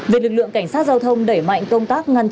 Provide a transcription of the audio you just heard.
việc lực lượng cảnh sát giao thông đẩy mạnh công tác